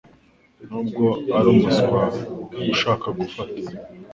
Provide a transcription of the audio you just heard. Nubwo ari umuswa ushaka gufata